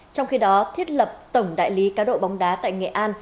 trong khi đó thiết lập tổng đại lý cá độ bóng đá tại nghệ an